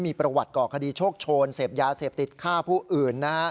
มีประวัติก่อคดีโชคโชนเสพยาเสพติดฆ่าผู้อื่น